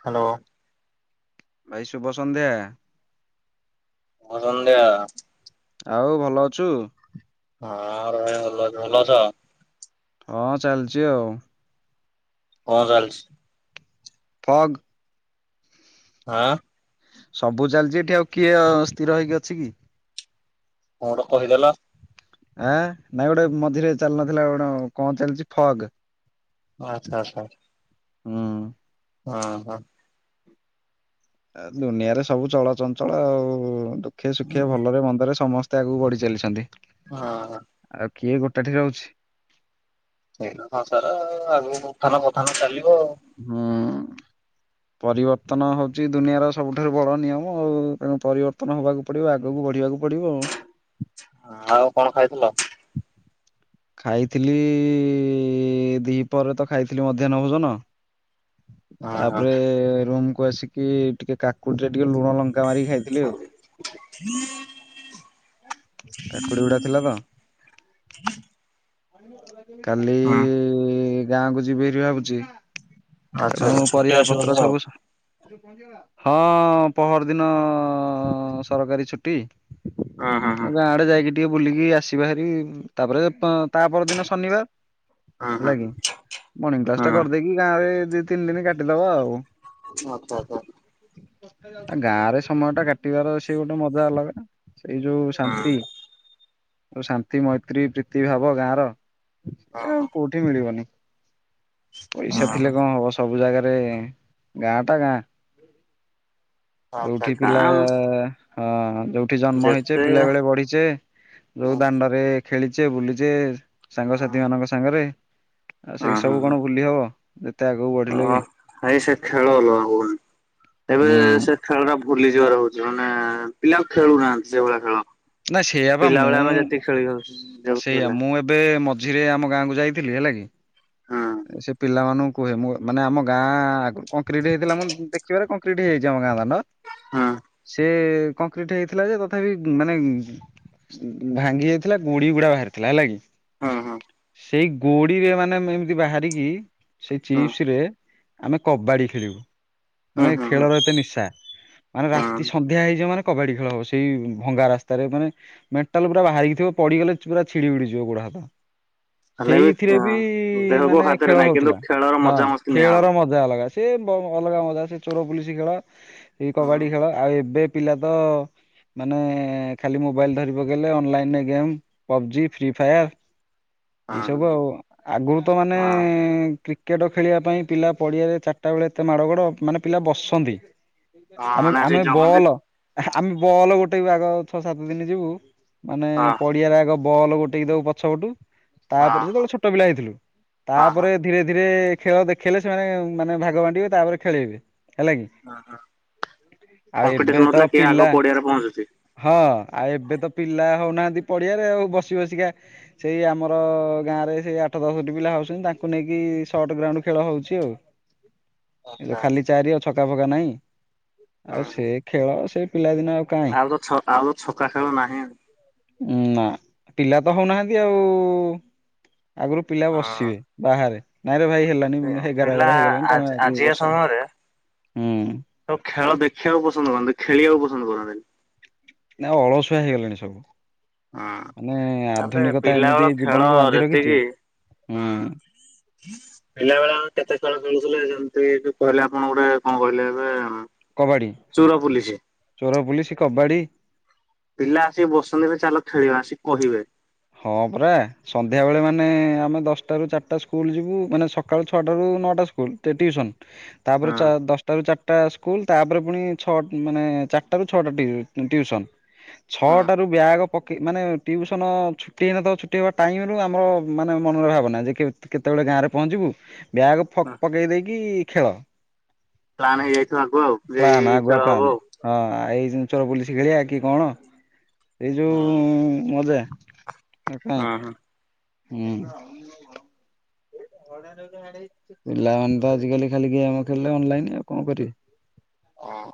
Hello ଭାଇ ଶୁଭ ସନ୍ଧ୍ୟା। ବ ସଂଧ୍ୟା ଆଉ ଭଲ ଅଛୁ। ହଁ ରହେ ଭଲ ଭଲ ଅଛ। ହଁ ଚାଲିଚି ଆଉ। କଁ ଚାଲିଛି? ଫଗ୍ ଆଁ ସବୁ ଚାଲିଛି ଏଠି ଆଉ କିଏ ଅ ସ୍ଥିର ହେଇକି ଅଛି କି। କଣ କହିଦେଲା ଆଁ ନାଇଁ ଗୋଟେ ମଝିରେ ଚାଲି ନଥିଲା ଗୋଟ କଣ ଚାଲିଛି ଫଗ୍ ଆଚ୍ଛା ଆଚ୍ଛା। ହୁଁ। ହଁ ହଁ। ଏ ଦୁନିଆରେ ସବୁ ଚଳଚଞ୍ଚଳ ଆଉ ଦୁଃଖେ ସୁଖେ ଭଲରେ ମନ୍ଦରେ ସମସ୍ତ ଆଗକୁ ବଢି ଚାଲିଛନ୍ତି। ହଁ ହ। ଆଉ କିଏ ଗୋଟା ଠି ରହୁଛି। ଏଇତ ସଂସାର ଆଉ ଆଗୁକୁ ଉଥାନ ପଥାନ ଚାଲିବ ଆଉ। ହଁ ପରିବର୍ତ୍ତନ ହଉଛି ଦୁନିଆର ସବୁଠାରୁ ବଡ଼ ନିୟମ ଉ ତେଣୁ ପରିବର୍ତ୍ତନ ହବାକୁ ପଢିବ ଆଗକୁ ବଢିବାକୁ ପଡ଼ିବ ଆଉ। ଆଉ କଣ ଖାଇଥିଲ? ଖାଇଥିଲି ଦି ପହରରେ ତ ଖାଇଥିଲି ମଧ୍ୟାହ୍ନ ଭୋଜନ ହଁ ହଁ ତାପରେ ରୁମ୍ କୁ ଆସିକି ଟିକେ କାକୁଡିରେ ଟିକେ ଲୁଣ ଲଙ୍କା ମାରି ଖାଇ ଥିଲି ଉ। ହୁଁ [unintelligible] କାକୁଡି ଗୁଡା ଥିଲା ତ କାଲି ଗାଁକୁ ଯିବିଭାରି ଭାବୁଛି। ହ [inaudible] ତେଣୁ ପରିଆ ପତ୍ର ସବୁସ୍ ହଁ ପହର ଦିନ ସରକାରୀ ଛୁଟି। ଗାଁ ଆଡେ ଯାଇକି ଟିକେ ବୁଲିକି ଆସିବା ଭାରି। ହୁଁ ହୁଁ ହେଲା କିି ହୁଁ ମର୍ଣିଂ କ୍ଲାସ ଟା କରିଦେଇକି ଗାଁ ରେ ଦି ତିନି ଦିନି କାଟିଦବା ଆଉ। ହ ତା ଆ [inaudible] ଆ ଗାଁ ରେ ସମୟ ଟା କାଟିବାର ଅଛି ଗୋଟେ ମଜା ଅଲଗା ସେଇ ଯୋଉ ଶାନ୍ତି ଶାନ୍ତି ମୈତ୍ରୀ ପ୍ରୀତି ଭାବ ଗାଁର ଓହୋ ମିଳିବନି ପଇସା ଥିଲେ କଣ ହବ ସବୁ ଜାଗାରେ ଗାଁ ଟା ଗାଁ। ଆଚ୍ଛା ଯୋଉଠି ପିଲା କାମ୍ ହଁ ଯୋଉଠି ଜନ୍ମ ହେଇଛେ ଯେତେ ପିଲା ବେଳେ ବଢିଛେ ହୁଁ ଯୋଉ ଦାଣ୍ଡ ରେ ଖେଳିଛେ ବୁଲିଛେ ସାଙ୍ଗସାଥି ମାନଙ୍କ ସାଙ୍ଗରେ ଆଉ ସେଇ ସବୁ କଣ ଭୁଲି ହବ ଯେତେ ଆଗକୁ ବ ହଁ ଭାଇ ସେ ଖେଳ ଅଲଗା ଗୋଲ୍ ତେବେ ହୁଁ ସେ ଖେଳଟା ଭୁଲି ଯିବାର ହଉଛି ମାନେ ପିଲା ଆଉ ଖେଳୁନାହାନ୍ତି ସେଇଭଳିଆ ଖେଳ। ନା ସେଇଆ ବା ପିଲାବେଳେ ମୁଁ ଆମେ ଯେତିକି ଖେଳି ସେଇଆା ଯାଉଥିଲା। ମୁଁ ଏବେ ମ ଝିରେ ଆମ ଗାଁକୁ ଯାଇଥିଲି ହେଲା କି ହଁ ସେ ପିଲାମାନୁ କୁଏ ମୁଁ ମାନେ ଆମ ଗାଁ କ କଂକ୍ରିଟି ହେଇଥିଲା ମୁଁ ଦେଖିବାରେ କଂକ୍ରିଟ୍ ହେଇଯାଇଛି ଆମ ଗାଁ ଦାଣ୍ଡ। ହଁ। ସେ କଂକ୍ରିଟ ହେଇଥିଲା ଯେ ତଥାପି ମାନେ ଭାଙ୍ଗି ଯାଇଥିଲା ଗୁଡି ଗୁଡା ବାହାରିଥିଲା ହେଲା କି ହୁଁ ହୁଁ ସେଇ ଗୋଡିରେ ମାନେ ଏମିତି ବାହାରିକି ସେଇ ହୁଁ ଚିପ୍ସ ରେ ଆମେ କବାଡି ଖେଳିବୁ ମାନେ ହୁଁ ହୁଁ ଖେଳର ଏତେ ନିଶା ମାନେ ହୁଁ ରାତି ସନ୍ଧ୍ୟା ହେଇଯିବ ମାନେ କବାଡି ଖେଳ ହବ ସେଇ ଭଙ୍ଗା ରାସ୍ତାରେ ମାନେ ମେଣ୍ଟାଲ ପୁର ବାହାରିକିଥିବ ପଡିଗଲେ ପୁର ଛିଡିଯିବ ଗୋଡ ହାତ। ସେଇଥିରେ ବି ଦେହକୁ ମାନେ ହାତରେ ଖେଳ ନାହିଁ କିନ୍ତୁ ହଉଥିଲା ଖେଳର ହଁ ମଜା ମସ୍ତି ନିଆହବ। ଖେଳର ମ ମଜା ଅଲଗା ସେ ଅଲଗା ମଜା ସେ ଚୋର ପୁଲିସ ଖେଳ ଏଇ ହଁ କବାଡି ଖେଳ ଆଉ ଏବେ ପିଲାତ ଅ ମାନେ ଏ ଖାଲି ମୋବାଇଲ ଧରିପକେଇଲେ ଅନଲାଇନରେ ଗେମ୍ ପବଜି ଫ୍ରି ଫାୟାର୍ ଏଇ ସବୁ ହଁ ଆଉ ଆଗରୁ ତ ମାନେ ହଁ କ୍ରିକେଟ ଖେଳିବା ପାଇଁ ପିଲା ପଡିଆରେ ଚାରିଟା ବେଳେ ଏତେ ମାଡ ଗଡ ମାନେ ପିଲା ବସନ୍ତି ଆମେ ମାନେ ଆସି ଆମେ ଜଗନ୍ତି ବଲ ଆମେ ବଲ ଗୋଟେଇବୁ ଆଗ ଛଅ ସାତ ଦିନ ଯିବୁ ମାନେ ହଁ ପଡିଆରେ ଆଗ ବଲ୍ ଗୋଟେକି ଦବୁ ପଛ ପଟୁ ହଁ ତାପରେ ସେତେବେଳେ ଛୋଟ ପିଲା ହେଇଥିଲୁ ହଁ ତାପରେ ଧୀରେ ଧୀରେ ଖେଳ ଦେଖେଇଲେ ସେମାନେ ମାନେ ଭାଗ ବାଣ୍ଟିବେ ତାପରେ ଖେଲେଇବେ। ହେଲା କି ହଁ। ଆଉ ଏବେ କମ୍ପିଟିସନ ତ ହଉଥିଲା କିଏ ଆଗ ପିଲା ପଡିଆରେ ପହଞ୍ଚୁଛି। ହଁ ଆଉ ଏବେ ତ ପିଲା ହଉନାହାନ୍ତି ପଡିଆରେ ଆଉ ବସି ବସିକା ସେଇ ଆମର ଗାଁ ରେ ସେଇ ଆଠ ଦଶ ହଉଛନ୍ତି ତାଙ୍କୁ ନେଇକି ସଟ ଗ୍ରାଉଣ୍ଡ ଖେଳ ହଉଛି ଆଉ ଖା ଚାରି ଛକା ଫକା ନାଇଁ ଆଉ ସେ ଖେଳ ସେ ପିଲାଦିନ ଆଉ କାହିଁ ଆଉ ତ ଛ ଆଉ ତ ଛକା ଖେଳ ନାହିଁ ଉ ନା ପିଲା ତ ହଉନାହାନ୍ତି ଆଉ ଆଗରୁ ପିଲା ବସିବେ ବାହାରେ ନାଇଁରେ ଭାଇ ହେଲା ଏଗାର ପିଲା ଏଗାର ହେଇଗଲାଣି ତମେ ଦି ବର୍ଷ ହୁଁ ଆଉ ଖେଳ ଦେଖିବାକୁ ପସନ୍ଦ କରନ୍ତି ଖେଳିବାକୁ ପସନ୍ଦ କରନ୍ତିନି ନା ଆଉ ଅଳସୁଆ ହେଇଗଲାଣି ସବୁ ହୁଁ ମାନେ ତାପରେ ଆଧୁନିକତା ଏମିତି ପିଲାବେଳ ଖେଳ ଜୀବନକୁ ବାନ୍ଧି ରଖିଛି ଯେତିକି ହୁଁ ପିଲା ବେଳେ କେତେ ଖେଳ ଚଳୁଥିଲେ ଯେମିତି କହିଲେ ଆପଣ ଗୋଟେ କଣ କହିଲେ ଏବେ କବାଡି ଚୋର ପୁଲିସ ଚୋର ପୁଲିସ କବାଡି ପିଲା ଆସିକି ବସନ୍ତିରେ ଚାଲ ଖେଳିବା ଆସିକି କହିବେ ହଁ ପୁରା ସନ୍ଧ୍ୟାବେେଳେ ମାନେ ଆମେ ଦଶଟାରୁ ଚାରିଟା ସ୍କୁଲ ଯିବୁ ମାନେ ସକାଳୁ ଛଅଟାରୁ ନଅଟା ସ୍କୁ ଲ ଟିଉସନ ତାପରେ ହଁ। ଦଶ ଟାରୁ ଚା ଟା ସ୍କୁଲ ତାପରେ ପୁଣି ଛଅ ମାନେ ଚାରିଟ ର ଛଅଟା ଟିଉସନ ହଁ ଛଅଟ ର ବ୍ୟାଗ ପକେଇ ମାନେ ଟିଉସନ ଛୁଟି ହେଇନଥିବ ତ ଛୁଟି ହବା ଟାଇମ ରୁ ଆମର ମାନେ ମନରେ ଭାବନା ଯେ କେତବେଳେ ଗାଁ ରେ ପହଞ୍ଚିବୁ ବ୍ୟାଗ ଫ ହଁ ପକେଇ ଦେଇକି ଖେଳ ପ୍ଲାନ୍ ହେଇଯାଇଥିବ ଆଗୁଆ ଯେ ଏଇ ଏଇ ଖେଳ ହବ ଆଉ ହଁଉ ଏଇ ଚୋର ପୋଲିସ ଖେଳିବା କି କଣ ଏଇ ଯୋଉ ଆଉ। ଉ ମଜା ଆଉ କାଇଁ ହଁ ହଁ ହୁଁ ପିଲାମାନେ ତ ଆଜିକାଲି ଖାଲି ଗେମ୍ ଖେଳିଲେ ଅନଲାଇନ ଆଉ କଣ କରିବେ ହଁ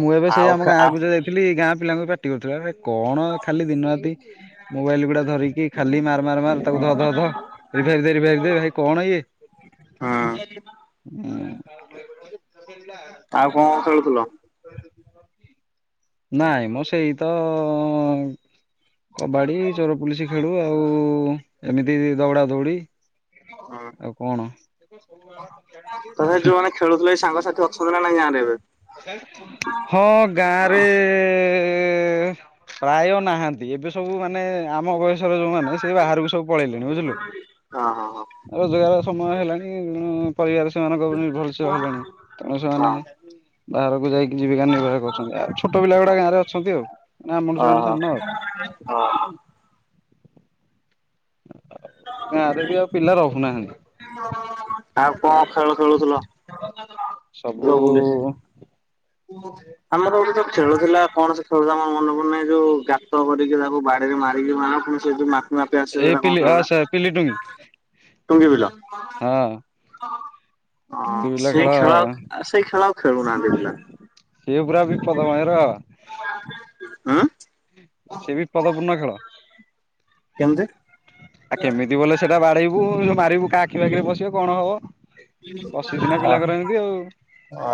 ମୁଁ ଏବେ ସେଇ ଆଉ ଆମ ଖେ ଆ ଗାଁକୁ ଯଉ ଯା - ଲି ଗାଁ ପିଲାଙ୍କୁ ପାଟି କରୁଥିଲି କଣ ଖାଲି ଦିନ ରାତି ମୋବାଇଲ ଗୁଡା ଧରିକି ଖାଲି ମାର ମାର ମାର ତାକୁ ଧ ଧ ଧ ହେଇ ଦେଖ ଦେଖ ଦେଖ ଦେଖ ଭାଇ କଣ ଇଏ ହୁଁ ହୁଁ [unintelligible] ଆଉ କଣ ଖେଳୁଥିଲ? ନାଇଁ ମୋ ସେଇ ତ କବାଡି ଚୋର ପୁଲିସ ଖେଳୁ ଆଉ ଏମିତି ଦଉଡା ଦୌଡି। ଆଉ କଣ ତଥାପି ଯୋଉମାନେ [unintelligible] ହିଁ ଖେଳୁଥିଲେ ସାଙ୍ଗସାଥି ଅଛନ୍ତି ନାଇଁ ଗାଁରେ ଏବେ ହଁ ଗାଁରେ ପ୍ରାୟ ନାହାନ୍ତି ଏବେ ସବୁ ମାନେ ଆମ ବୟ ଯୋଉ ମାନେ ସେ ବାହାରକୁ ସବୁ ପଳେଇଲେଣି ବୁଝିଲୁ ହଁ ହଁ ହଁ। ରୋଜଗାର ସମୟ ହେଲାଣି ପରିବାର ସେମାନଙ୍କ ଉପରେ ନିର୍ଭରଶୀଳ ହେଲେଣି ତେଣୁ ହଁ ସେମାନେ ବାହାରକୁ ଯାଇକି ଜୀବିକା ନିର୍ବାହ କରୁଛନ୍ତି ଆଉ ଛୋଟ ପିଲା ଗୁଡା ଗାଁରେ ଅଛନ୍ତି ଆଉ ଆମଠୁ ଯୋଉମାନେ ହଁ ସାନ ଆଉ ଓହୋ। ଆ ଗାଁରେ ବି ଆଉ ପିଲା ରହୁନାହାନ୍ତି। [inaudible] କଣ ଖେଳ ଖେଳୁଥିଲ ସବୁ ଚୋର ପୋଲିସ ଆମର ଗୋଟେ ସେ ଖେଳ ଥିଲା କଣ ଖେଳ ତ ନା ମୋର ମନେ ପଡୁନି ନାହିଁ ଯୋଉ ଗାତ କରିକି ତାକୁ ବାଡିରେ ମାରିକି ମାନେ ସେ ଯେମିତି ମାପି ମାପି ଆସିବ ଏ ସେଗୁରା କଣ ପିଲି ଆ କହୁନା ସେ ପିଲି ଟୁଙ୍ଗି ତୁଙ୍ଗି ବିିଲ ହଁ ହଁ ଟୁଙ୍ଗି ବିଲ ସେଇ ଖେଳ ସେଇ ଖେଳ ଖେଳୁନାହାନ୍ତି ପିଲା ସେ ପୁରା ବିପଦମୟରେ ବାବା ଉଁ ସେ ବିପଦପୂର୍ଣ୍ଣ ଖେଳ। କେମତି। ଆଉ କେମିତି ବୋଲେ ସେଟା ବାଢେଇବୁ ମାରିବୁ କା ଆଖି ପାଖିରେ ପସିବ କଣ ହବ? ପଶିଚି ନା ଅ ପିଲାଙ୍କର ଏମିତି ଆଉ।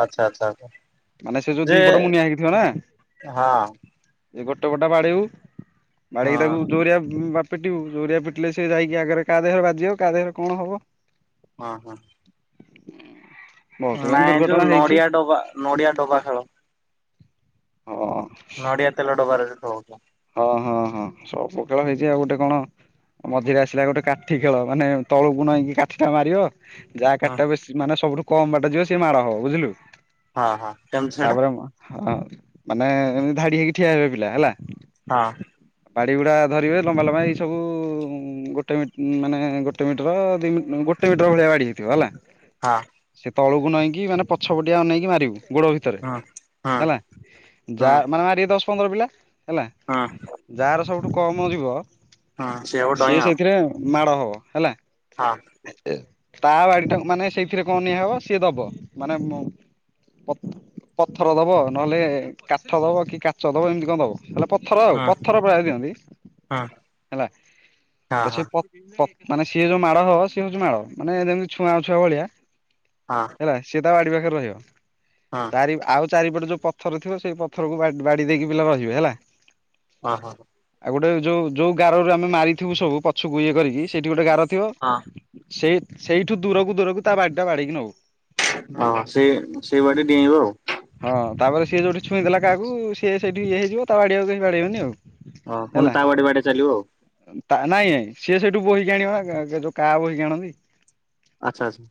ଆଚ୍ଛା ଆଚ୍ଛା ଆଚ୍ଛା ମାନେ ସେ ଯୋଉ ଯେ ଦିପଟ ମୁନିଆ ହେଇକି ଥିବ ନା। ହଁ ଏ ଗୋଟେ ଗୋଟା ବାଡିବୁ ହଁ ବାଡେଇକି ତାକୁ ଜୋରିଆ ବା ପିଟିବୁ ଜୋରିଆ ପିଟି ସେ ଯାଇକି ଆଗରେ କାହା ଦେହରେ ବାଜିବ କାହା ଦେହରେ କଣ ହବ? ଓ ହୋଁ ବହୁତ ଏମିତି ନାଇଁ ଯୋଉ ଦୁର୍ଘଟଣା ହେଇଛି ନଡିଆ ଡବା ନଡିଆ ଡବା ଖେଳ। ହଁ ନଡିଆ ତେଲ ଡବାରେ ଯୋଉ ଖେଳ ହଉଥିବ। ହଁ ହଁ ହଁ ସବୁ ଖେଳ ହେଇଛି ଆଉ ଗୋଟେ କଣ? ମଝିରେ ଆସିଲା ଗୋଟେ କାଠି ଖେଳ ମାନେ ତଳକୁ ନଇକି କାଠି ଟା ମାରିବ। ଯାହା ହଁ କାଠିଟା ବେଶୀ ମାନେ ସବୁଠୁ କମ ବାଟା ଯିବ ସିଏ ମାଡ଼ ହବ ବୁଝିଲୁ। ହଁ ହଁ କେମିତି ସେଇଟା। ତାପରେ ହଁ ମାନେ ଏମତି ଧାଡି ହେଇକି ଠିଆ ହେବେ ପିଲା ହେଲା। ହଁ ବାଡି ଗୁଡା ଧରିବେ ଲମ୍ବା ଲମ୍ବା ଏଇ ସବୁ ଗୋଟେ ମି ମାନେ ଗୋଟେ ମିଟର ଦି ମିର ଗୋଟେ ମିଟର ଭଳିଆ ବାଡି ହେଇଥିବ ହେଲା। ହଁ ସେ ତଳକୁ ନଇଁକି ମାନେ ପଛ ପଟିଆ ଅନେଇକି ମାରିବୁ ଗୋଡ ଭି ତରେ ହୁଁ ହୁଁ ହେଲା ଯା ମାନେ ମାରିବେ ଦଶ ପନ୍ଦର ପିଲା ହେଲା। ହଁ। ଯାହାର ସବୁଠୁ କମ ଯିବ ହୁଁ ସେଆକୁ ଡଇଁ ସିଏ ଆଉ ସେଇ ଥିରେ ମାଡ ହବ ହେଲା। ହଁ। ତା ବାଡି ଟା ମାନେ ସେଇଥିରେ କଁ ନିଆ ହବ ସିଏ ଦବ ମାନେ ମୋ ପଥର ଦବ ନହେଲେ କାଠ ଦବ କି କାଚ ଦବ ଏମତି କଁ ଦବ ହେଲେ ପ ପଥର ଆଉ ହୁଁ ପଥର ପ୍ରାୟ ଦିଅନ୍ତି ହୁଁ ହେଲା ହଁ ତ ହଁ। ସେ ପ ମାନେ ସିଏ ଯୋଉ [unintelligible] ସିଏ ହଉଛି ମାଳ ମାନେ ଯେମିତି ଛୁଆ ଅଛୁଆ ଭଳିଆ। ହଁ। ହେଲା ସିଏ ତା ବାଡି ପାଖରେ ରହିବ। ହଁ। ଚାରି ଆଉ ଚାରିପଟେ ଯେଉଁ ପଥର ଥିବ ସେଇ ପଥରକୁ ବାଡ଼ି ଦେଇକି ପିଲା ରହିବେ ହେଲା। ଅ ହଁ। ଆଉ ଗୋଟେ ଯୋଉ ଯୋଉ ଗାରରୁ ଆମେ ମାରିଥିବୁ ସବୁ ପଛକୁ ଇଏ କରିକି ସେଇଠି ଗୋଟେ ଗାର ଥିବ। ହଁ। ସେ ସେଇଠୁ ଦୂରକୁ ଦୂରକୁ ତା [unintelligible] ବାଡେକି ନବୁ। ହଁ ସେ ସେଇ ବାଟେ ଡେଇଁବ ଆଉ। ହଁ ତାପରେ ସିଏ ଯୋଉଠି ଛୁଇଁ ଦେଲା କାହାକୁ ସିଏ ସେଇଠି ଇଏ ହେଇଯିବ ତା ବାଡିଆକୁ କେହି ବାଡେଇବେନି ଆଉ। ହଁ ପୁଣି ହେଲା ତା ବାଡେ ବାଡେ ଚାଲିବ ଆଉ। ତା ନାଇଁଁ ନାଇଁ ସିଏ ସେଇଠୁ ବୋହିକି ଆଣିବ ଯୋଉ କାଆ ବୋହିକି ଆଣନ୍ତି। ଆଚ୍ଛା ଆଚ୍ଛା।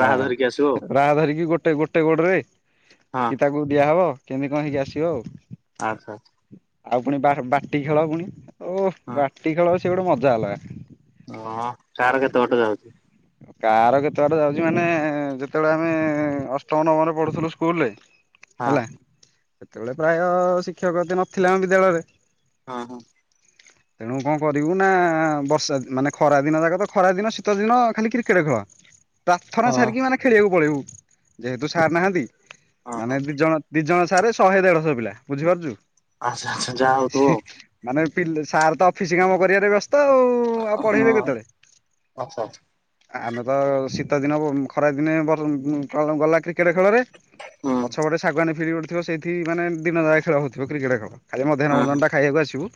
ରାହା ଧରିକି ଆସିବ ଆଉ ବାଡ଼ ଧରିକି ଗୋଟେ ଗୋଟେ ଗୋଡରେ ହଁ କି ତାକୁ ଦିଆହବ କେମିତି କଁ ହେଇକି ଆସିବ ଆଉ। ଆଚ୍ଛା ଆଚ୍ଛା। ଆଉ ପୁଣି ବାଟି ଖେଳ ପୁଣି ଓହ ହଁ ବାଟି ଖେଳ ସେ ଗୋଟେ ମଜା ଅଲଗା। ହଁ କାହାର କେତେ ବାଟ ଯାଉଛି। କାହାର କେତେବାଟ ଯାଉଛି ମାନେ ଯେତେବେଳେ ଆମେ ଅଷ୍ଟମ ନବମରେ ପଢୁଥିଲୁ ସ୍କୁଲରେ ହଁ ହେଲା, ସେତେବେଳେ ପ୍ରାୟ ଶିକ୍ଷକ [unintelligible] ନଥିଲା ଆମ ବିଦ୍ୟାଳୟରେ। ହଁ ହଁ। ତେଣୁ କଁ କରିବୁ ନା ବର୍ଷା ମାନେ ଖରା ଦିନ ଯାକ ତ ଖରା ଦିନ ଶୀତ ଦିନ ଖାଲି କ୍ରିକେଟେ ଖେଳ ପ୍ରାର୍ଥନା ହଁ ସାରିକି ମାନେ ଖେଳିବାକୁ ପଳେଇବୁ ଯେହେତୁ ସାର ନାହାନ୍ତି ହଁ ମାନେ ହଁ ଦି ଜଣ ଦି ଜଣ ସାରେ ଶହେ ଦେଢଶହ ପିଲା ବୁଝିପାରୁଚୁ? ଆଚ୍ଛା ଆଚ୍ଛା ଯାହା ହଉଥିବ ଆଉ। ମାନେ ପିଲ୍ ସାରେ ତ ଅଫିସ କାମ କରିବାରେ ବ୍ୟସ୍ତ ଆଉ। ଆଉ ହଁ ପଢେଇବେ କେତେବେଳେ। ଅହ। ଆମେ ତ ଶୀତଦିନ ଖରାଦିନେ ଗଲା କ୍ରିକେଟ୍ ଖେଳରେ। ପଛପଟେ ଶାଗୁଆନ ଫିଲ୍ଡି ଗୋଟେ ଥିବ ସେଇଠି ମାନେ ଦିନଯାକ ଖେଳ ହଉଥିବ କ୍ରିକେଟ ଖେଳ। ଖାଲି ହୁଁ ମଧ୍ୟାନ ହୁଁ ଭୋଜନ ଟା ଖାଇବାକୁ ଆସିବୁ।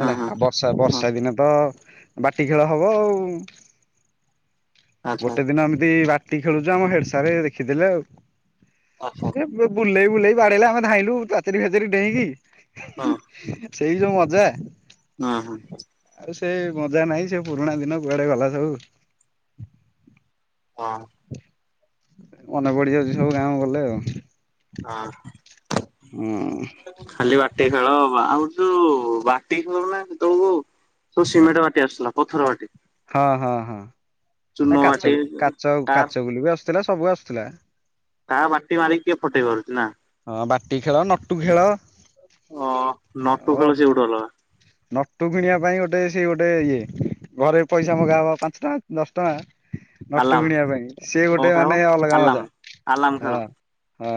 ହୁଁ ହେଲା ହୁଁ ଆଉ ବର୍ଷା ହୁଁ ବର୍ଷା ଦିନେ ତ ବାଟି ଖେଳ ହବ ଆଉ। ଆଚ୍ଛା ଆଚ୍ଛା ହୁଁ। ଗୋଟେ ଦିନ ଏମିତି ବାଟି ଖେଳୁଛୁ ଆମ ହେଡ ସାରେ ଦେଖିଦେଲେ ଆଉ। ଓହୋ। ବୁଲେଇ ବୁଲେଇ ବାଡେଇଲେ ଆମେ ଧାଇଁଲୁ ପାଚିରି ଫାଚିରି ଡେଇଁକି ହୁଁ ସେଇ ଯୋଉ ମଜା। ହଁ ହଁ। ଆଉ ସେ ମଜା ନାହିଁ ସେ ପୁରୁଣା ଦିନ କୁଆଡ଼େ ଗଲା ସବୁ। ହଁ। ମନେ ପଡ଼ିଯାଉଛି ସବୁ ଗାଁକୁ ଗଲେ ଆଉ। ହଁ ହୁଁ ଖାଲି ବା ବାଟି ଖେଳ ଆଉ ଯୋଉ ବାଟି ଖେଳୁନାହାନ୍ତି ତମ କୁ? ତୁ ସିମେଟ୍ ବାଟି ଆସୁଥିଲା ପଥର ବାଟି। ହଁ ହଁ ଚୂନ ହଁ କାଚ ବାଟି କାଚ ଟାର କାଚଗୁଲି ବି ଆସୁଥିଲା ସବୁ ଆସୁଥିଲା। ତା ବାଟି ମାରିକି କିଏ ଫଟେଇ ପାରୁଛି ନା। ହଁ ବାଟି ଖେଳ ନଟୁ ଖେଳ। ଓ ନଟୁ ଓ ଖେଳ ସେ ଗୋଟେ ଅଲଗା। ନଟୁ କିଣିବା ପାଇଁ ଗୋଟେ ସେ ଗୋଟେ ଇଏ ଘରେ ପଇସା ମଗାହବ ପାଞ୍ଚ ଟଙ୍କା ଦଶ ଟଙ୍କା। ନଟୁ ଆଲାମ କିଣିବା ପାଇଁ ସେ କଣ ଗୋଟେ ଖାଇବ ମାନେ ଅଲଗା ଆଲାମ ମଜା ଆଲାମ ଖେଳ ହଁ। ହଁ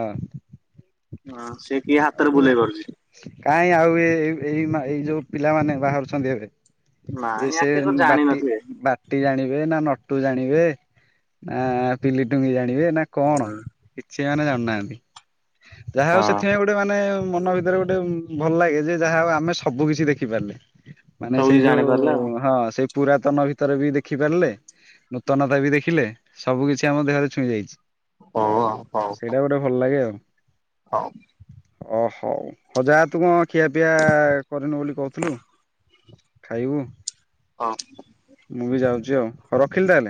ହଁ ସେ କିଏ ହାତରେ ଆଉ ବୁଲେଇ ପାରୁଛି କାହିଁ ଆଉ ଏ ଏଇ ଏଇ ଯୋଉ ପିଲାମାନେ ବାହାରୁଛନ୍ତି ଏବେ। ଏ ନାଇଁ ସେ ୟାଙ୍କେ କଣ ବାଟି ଜାଣିନଥିବେ। ବା ମାଟି ଜାଣିବେ ନା ନଟୁ ଜାଣିବେ ନା ପିଲି ଟୁଙ୍ଗି ଜାଣିବେ ନା କଣ? କିଛି ମାନେ ଜାଣୁନାହାନ୍ତି ଯାହା ହୋଉ ହଁ ସେଥିପାଇଁ ଗୋଟେ ଗୋଟେ ମାନେ ମନ ଭିତରେ ଗୋଟେ ଭଲ ଲାଗେ ଯେ ଯାହା ଆମେ ସବୁ କିିଛି ଦେଖିପାରିଲେ। ମାନେ ସବୁ କିଛି ସେଇ ଜାଣିପାରିଲେ ଆଉ ଯୋଉ ହଁ ସେଇ ପୁରାତନ ଭିତରେ ବି ଦେଖି ପାରିଲେ। ନୂତନତା ବି ଦେଖିଲେ ସବୁ କିିଛି ଆମ ଦେହରେ ଛୁଇଁ ଯାଇଛି। ହୋଉ ଆଉ ହୋଉ। ସେଇଟା ଗୋଟେ ଭଲ ଲାଗେ ଆଉ। ହୋଉ। ଓହୋ ହୋଉ ଯାହା ତୁ କଣ ଖିଆ ପିଆ କରିନୁ ବୋଲି ଖାଇବୁ ହଉ। ମୁଁ ବି ଯାଉଛି ଆଉ ହୋଉ ରଖିଲି ତାହେଲେ।